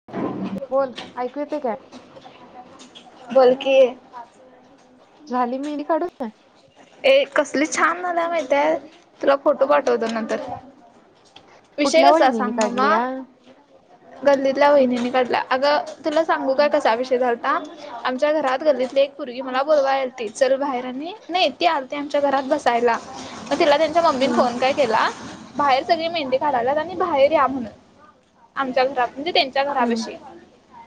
[unintelligible] बोल, ऐकू येतय काय? बोल की. झाली मेहंदी काढून? ए कसली छान आल्या माहतीय तुला फोटो पाठवतो नंतर. विषय कुठल्या कसा वहिनीने सांग काढली नमा या गल्लीतल्या वहिनीनी काढल्या अगं तुला सांगू काय कसा विषय झालं ता आमच्या घरात गल्लीतली एक पुरगी मला बोलवायला आलती चल बाहेर आणि नाही ती आमच्या घरात बसायला मग तिला त्यांच्या मम्मी हम्म फोन काय केला बाहेर सगळी मेहंदी काढाल्यात आणि बाहेर या म्हणून आमच्या घरात म्हणजे त्यांच्या हम्म घराबशी.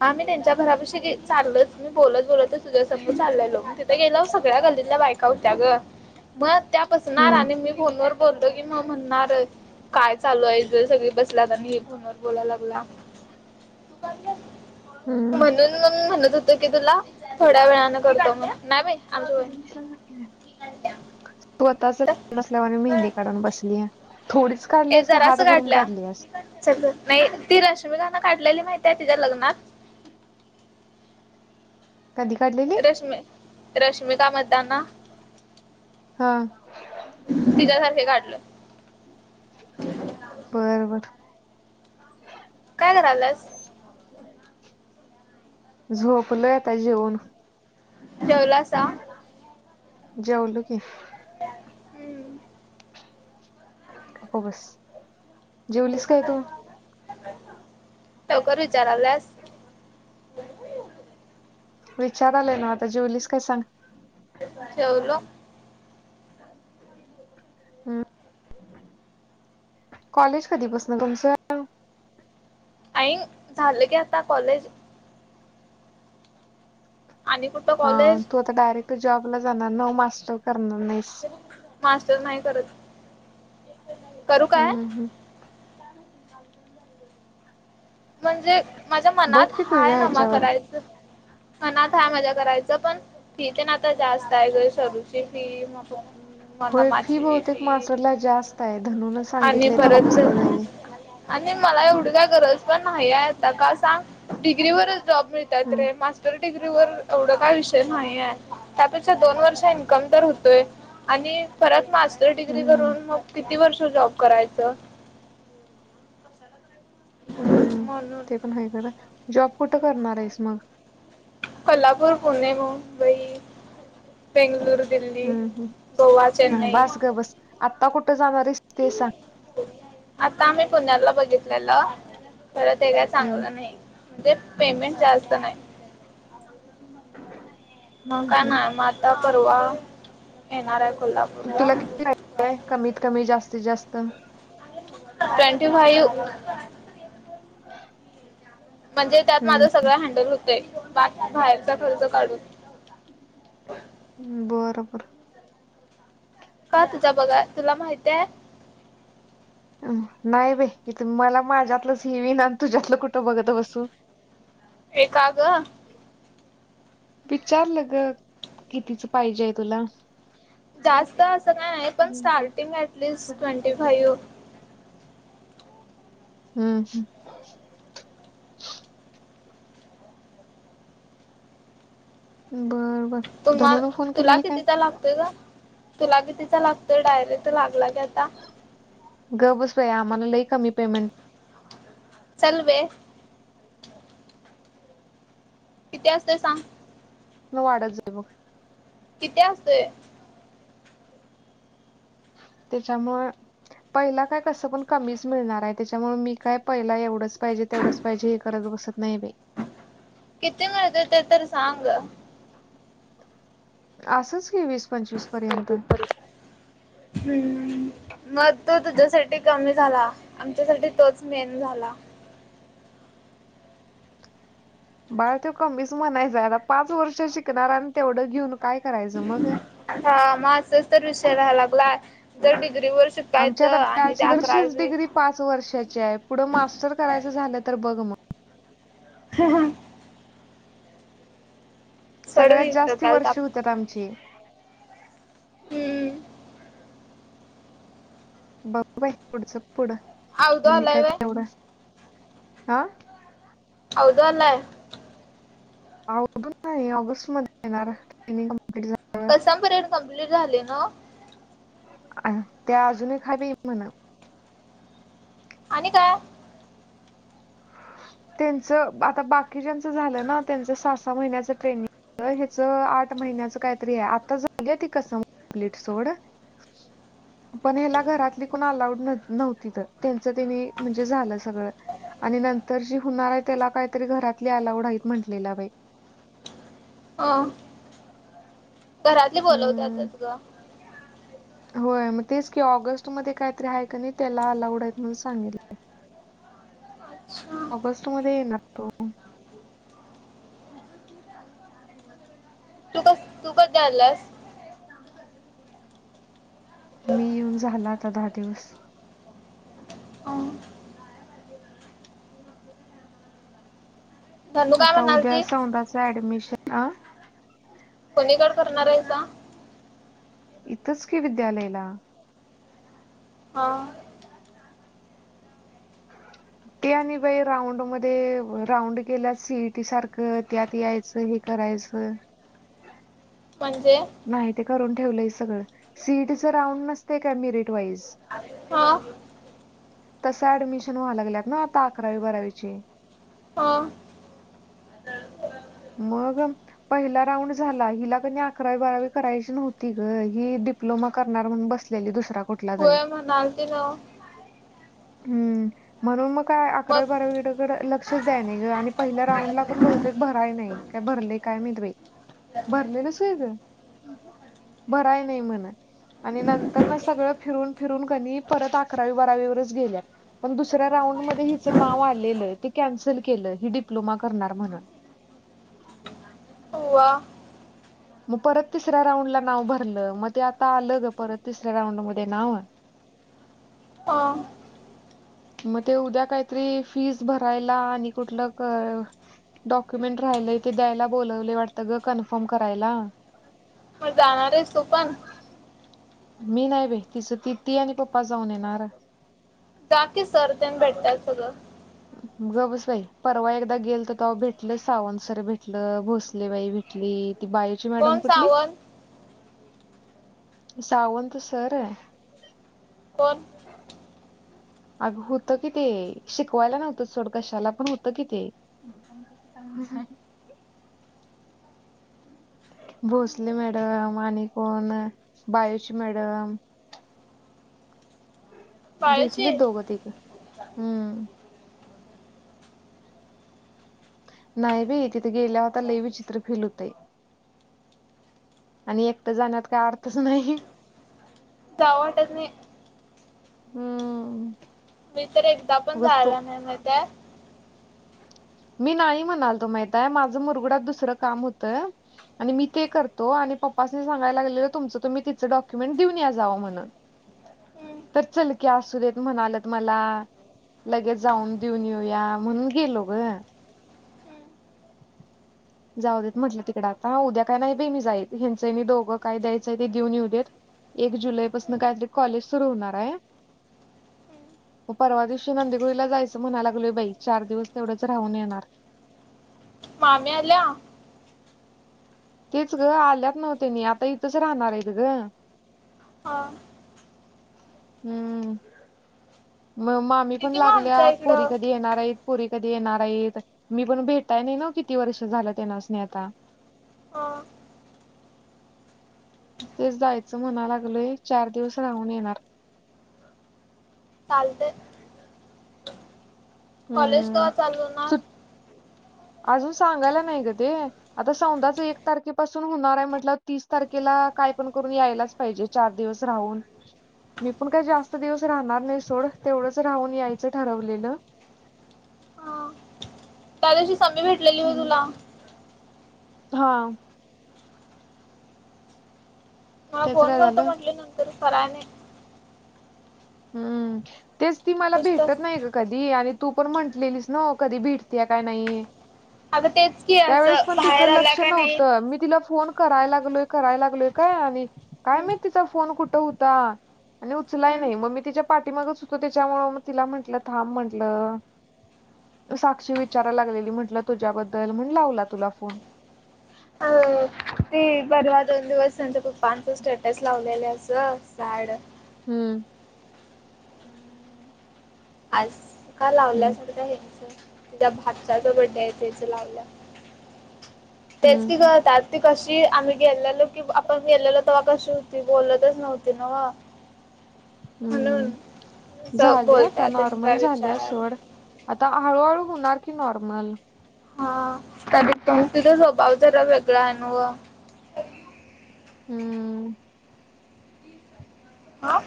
हा मी त्यांच्या घरापशी चालच मी बोलत बोलतच तुझ्या संग चाललेलो तिथे गेलो सग ळ्या गल्लीतल्या बायका होत्या ग मग त्या बसणार हम्म आणि मी फोनवर बोलतो की मग म्हणणार काय चालू आहे हीच सगळी बसल्यात आणि ही फोनवर बोलाय लागल्या. [unintelligible] हम्म म्हणून मग म्हणत होतो की तुला थोड्या वेळान करतो मग नाही बाई आमची [unintelligible] स्वतःच चल. नसल्यामुळे मेहंदी काढून बसल्या थोडीच ए काढल्यास काय जरासं हात भरून काढल्या काढलीयस? चल नाही ती रश्मीकान काढलेली माहितीय तिच्या लग्नात कधी काढलेली रश्मी रश्मिका मदाना हा. तिच्यासारखी काढलोय. बर बर. काय कराल्यास? झोपलोय आता जेवून. जेवलासा? जेवलो की. हम्म. गप बस, जेवलीस काय तू? लवकर विचाराल्यास, विचारालोय नवं आता जेवलीस काय सांग? जेवलो. हम्म. कॉलेज कधी पासनं तुमचं. अईग झालं की आता कॉलेज. आणि कोण? हा तू आता डायरेक्ट जॉब ला जाणार ना, मास्टर करणार नाहीस. मास्टर नाही करत. करू हम काय हम, म्हणजे माझ्या बघ मनात की तुझ्या हाय नमा ह्याच्यावर करायचं. मनात हाय माझ्या करायचं पण फी तेन आता जास्त आहे ग. सरूची फी म मना होय फी माझी बहुतेक फि मास्टरला जास्त आहे धनून आणि सांगितलंय परत तेव्हापासून त्यांनी आणि मला एवढी काय गरज पण नाही आहे आता का सांग, डिग्री वरच जॉब मिळतात हम्म रे मास्ट तर डग्री वर एवढा काय विषय नाही आहे. त्यापेक्षा दोन वर्ष इन्कम तर होतोय. आणि परत मास्टर डिग्री हम्म करून मग किती वर्ष जॉब करायचं. हम, म्हणून ते पण हाय खर जॉब कुठं करणार आहेस मग कोल्हापूर, पुणे, मुंबई बेंगलुरू, दिल्ली, हम्म गोवा, चेन्नई आता कुठे जाणार आहेस ते सांग? आता आम्ही पुण्याला बघितलेलं पर ते काय हम्म चांगलं नाही. म्हणजे पेमेंट जास्त नाही. मग हम्म काय हम्म नाही. मग आता परवा येणार आहे कोल्हापूर. तुला किती वाटतेय. कमीत कमी जास्तीत जास्त ट्वेंटी फाईव्ह म्हणजे त्यात हम्म माझं सगळं हँडल होतंय. [unintelligible] बाहेरचा खर्च काढून. बरोबर का तुझा बघाया तुला माहितीये? नाही बाई, इथं मला माझ्यातलंच हे विना तुझ्यातलं कुठं बघत बसू ए काग? विचारल ग कितीच पाहिजेय तुला. जास्त असं नाही. पण हम्म स्टार्टिंग ऍटलिस्ट ट्वेंटी फाईव्ह हम्म हम्, बर बर. तुम्हाल धनून फोन तुला केलेली काय कितीचा लागतोय गं? तुला कितीचा लागतोय? डायरेक्ट लागला की आता. गप बस बया आम्हाला लई कमी पेमेंट चल वेे किती असतोय सांग? मग वाढत जाई बघ. किती असतोय? त्याच्यामुळ पहिला काय कसं पण कमीच मिळणार आहे. त्याच्यामुळ मी काय पहिला एवढंच पाहिजे, तेवढंच पाहिजे. हे करत बसत नाही बाई. किती मिळतं ते तर सांग. असंच कि, वीस पंचवीस [unintelligible] पर्यंत हम्म, मग तो तुझ्यासाठी कमी झाला. आण तुझ्यासाठी तोच मेन झाला. बाळ ते कमीच म्हणायचं आता पाच वर्ष शिकणार आणि तेवढं घेऊन काय करायचं मग? हा, म असच तर विषय राहायला लागला जर डिग्री वर्ष? आमची शिकायचं आता आणि ते त्या करायच, बॅचलरचीच डिग्री पाच वर्षाची आहे पुढं मास्टर करायचं झालं तर बघ मग. हा हां, सगळ्यात सोडवी जास्ती डोक्याला ताप वर्ष होत्यात आमची, हम्म, बघू बाई पुढचं पुढं अवधू तुम्ही आलाय काय व्हय एवढं हा? आवदु आलाय, अवून नाही ऑगस्ट मध्ये येणार ट्रेनिंग, कम्प्लीट झाल्यावर कसम पीरेड कम्प्लीट झाले ना ओ, अ त्या अजूनही खायबी म्हणा, आणि काय, त्यांच आता बाकी ज्यांच झालं ना त्यांच सहा सहा महिन्याच ट्रेनिंग. अ हेच आठ महिन्याच काय तरी आहे आता झाली ती कसम कंप्लीट सोड. [inaudible] पण ह्याला घरातली कोण अलाउड न, नव्हती तर त्यांच त्यांनी म्हणजे झालं सगळं आणि न, तर जी होणार आहे त्याला काहीतरी घरातली अलाउड आहेत म्हटलेला बाई? हो, घरातली हम्म, बोलवत्यातच ग, होय मग तेच की ऑगस्ट मध्ये काहीतरी आहे का नाही त्याला अलाऊड आहेत म्हणून सांगितले. ऑगस्ट मध्ये येणार तो! तु कधी आलास, मी येऊन झाला आता दहा दिवस. हम्म, धनू काय आता उद्या म्हणालती सौदाच ऍडमिशन आ? कोणी कड करणार हाईसा, इथंच कि विद्यालयाला, हा, [inaudible] ते आणि बाई राऊंड मध्ये राऊंड केल्या सीटी सारखं त्यात यायचं हे? करायचं, म्हणजे, नाही ते करून ठेवलंय सगळं सीईटीच राऊंड नसतय का मिरेट वाईज. हो, तस ऍडमिशन व्हावला लागलेत ना आता अकरावी बारावीची. हां, मग पहिला राऊंड झाला हिला कणी अकरावी बारावी करायची नव्हती ग ही दि. डिप्लोमा करणार म्हणून बसलेली दुसरा कुठला तरी होय म्हणाली ती नव्ह, हम्म म्हणून मग काय अकरावी मग बारावीडेकडे लक्ष! तसच टाइमिंग तसं पहिल्या आणि राउंडला पण बहुतेक बा. काय नाही काय भरले काय माहीत बाई भरलेलच हाय अग. भराय नाही म्हण, आणि नंतर सगळं फिरून फिरून कनीय परत अकरावी बारावीवरच गेल्या. पण दुसऱ्या राऊंड मध्ये हिचं नाव आलेलं ते कॅन्सल केलं ही डिप्लोमा करणार म्हणून. अव्वा. मग परत तिसऱ्या राऊंडला नाव भरलं, मग ते आता आलं गं परत तिसऱ्या राऊंडमध्ये नाव. हा, मग ते उद्या काहीतरी फीज भरायला आणि कुठलं काय. डॉक्युमेंट राहिलय ते द्यायला बोलावले वाटतं गं, कन्फर्म करायला. मग जाणार आहेस तू पण मी नाही बाई तीचती ती आणि पप्पा जाऊन येणार. जा की, सर तेनं भेटतात सगळं. गं बस बाई परवा एकदा गेलत तवा भेटल सावंत सर भेटल भोसलेबाई भेटली. ती बायोची मॅडम कोण कुठली? सावंत? सावंत सर आहे. कोण? अग होतं कि, ते शिकवायला नव्हतं सोड कशाला पण होतं कि, ते. संमधी हाय. भोसले मॅडम आणि कोण बायोची मॅडम. बाळूची? भेटलीत दोघं तिघ हम्म, नाही बाई तिथे गेल्या वर आता लई विचित्र फिल होतंय. आणि एकटं जाण्यात काय अर्थच नाही. जावं वाटत नाही. हम, तरी एकदा पण जायाला नाही माहीत आहे. मी नाही म्हणालतो माहिताय माझं मुरगुडात दुसरं काम होतं. आणि मी ते करतो. आणि पप्पासनी सांगायला लागलेलो तुमचं तुम्ही तिचं डॉक्युमेंट देऊन या जावा म्हणून. [inaudible] तर चल की, असू देत म्हणालेत मलां. लगेच जाऊन देऊन येऊया म्हणून गेलो गं. जाऊ देत म्हटलं तिकडे आता उद्या काय नाही बी मी जाईत. ह्यांचं ह्यांनी दोघं काय द्यायचंय ते देऊन येऊ देत. एक जुलै पसंन काहीतरी कॉलेज सुरू होणार आहे. मग परवा दिवशी नंदिगुळीला जायचं म्हणाय लागलोय बाई चार दिवस तेवढंच राहून येणार. मामी आल्या? तेच गं आल्यात नव्ह त्यांनी आता इथंच राहणार आहे गं. ''हां'' हम्म, मग मामी ये पण की मग आमच्या लागल्यात पोरी इकडं. कधी येणार आहेत? पोरी कधी येणार आहेत? मी पण भेटाय नाही नव्ह किती वर्ष झालं त्यांनास नी आता. ''हं'' तेच जायचं म्हणाय लागलोय चार दिवस राहून येणार. चालतंय. कॉलेज हम्म कवा चालू होणार? सुट अजून सांगायला नाही गं ते. आता सौंधाच एक तारखेपासून होणार आहे. म्हटलं तीस तारखेला काय पण करून यायलाच. पाहिजे चार दिवस राहून. मी पण काही जास्त दिवस राहणार नाही सोड तेवढंच राहून यायचं ठरवलेलं. हा, त्यादिवशी संमी भेटलेली बघ हम्म. तुला? हा, हा त्याच फोन काय करतो झालं म्हणले, नंतर कराय नाही. हम्म. तेच ती मला भेटत नुसतंच नाही गं कधी. आणि तू पण म्हटलेलीस ना कधी भेटतेय काय नाही? आगं तेच की असं, त्यावेळेस पण तिचं बाहेर आलां लक्ष का नाही? नव्हतं मी तिला फोन कराय लागलोय, करायला लागलोय काय, आणि काय हम्म माहित तिचा फोन कुठं होता? आणि उचलाय हम्म नाही. मग मी तिच्या पाठीमागच होतो, त्याच्यामुळं मग तिला म्हंटलं थांब म्हटलं. साक्षी विचाराय लागलेली म्हटलं तुझ्याबद्दल, म्हणून लावला तुला फोन. ती परवा दोन दिवस त्यांचं पप्पांचं स्टेटस लावलेलं अस, सॅड हम्म, आज, का हम्म लावल्यासारख्या हेच त्या भाच्याच बडडे आहे त्याच लावल्या, तेच कि ग हम्म त्याच ती कशी आम्ही गेलेलो कि, आपण गेलेलो तेव्हा कशी होती, बोलतच नव्हती नवं. म्हणून, हम्म आसं झाली आता बोलत्यात. नॉर्मल झाल्या सोड, आता हळूहळू होणार की नॉर्मल. हा, त्या तिचा स्वभाव जरा वेगळा आहे न व. हम्म, हा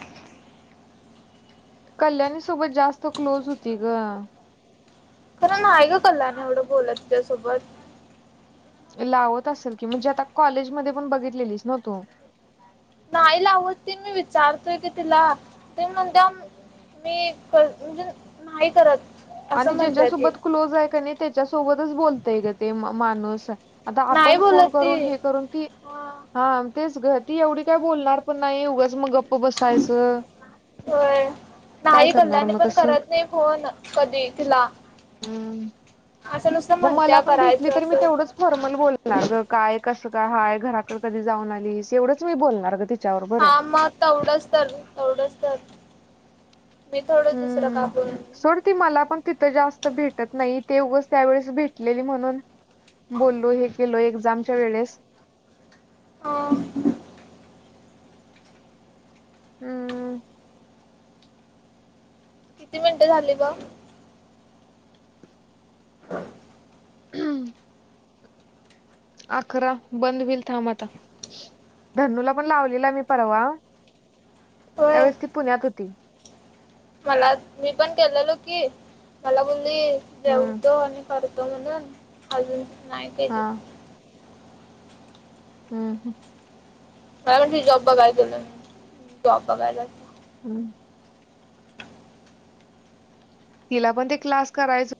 कल्याणी सोबत जास्त क्लोज होती ग, पन नाही ग कल्याणी एवढं बोलत तिच्यासोबत. लावत असेल की, म्हणजे आता कॉलेजमध्ये पण बघितलेलीच ना तू, नाही लावत ती, मी विचारतोय की तिला, ती म्हणत्याऽ मी म्हणजे, नाही करत. असं आणि म्हणत्या ती ज्याच्यासोबत क्लोज आहे का नाही, त्याच्यासोबतच बोलतय ग ते माणूस. आता नाही आपण फोन बोलत ती करून, हे करून, ती हा, तेच ग, ती एवढी काय बोलणार पण नाही उगच मग प बसायचं, होय काय नाही करणार कल्याणी मग पण तसं. करत नाही फोन, कधी तिला हम्म,, असं नुसतं मला म्हणत्या पण भेटली करायचं तरी मी असं तेवढंच फॉर्मल बोलणार ग, काय, कसं का हाय, घराकड कधी जाऊन आलीस, एवढंच मी बोलणार ग, तिच्यावर बरं हा, मग तेवढंच तर, तेवढंच तर मी थोडं दुसरं का हम्म, बोलू सोड ती मला पण तिथं जास्त भेटत नाही, ते उगंच त्यावेळेस भेटलेली म्हणून बोललो हे केलो एक्झामच्या वेळेस हां, हम्म. किती मिनटं झाली ग? हम्म, अकरा, बंद हुईल थांब आता. धनूला पण लावलेला मी परवा, होय त्यावेेळेस ती पुण्यात होती. मला, मी पण केलेलो की, मला बोलली, हम्म जेवतो आणि करतो म्हणून, अजून नाही केली. हा हम् हम, काय म्हणली जॉब बघाय गेलोय, जॉब बघायला. हम्म, तिला पण ते क्लास करायचं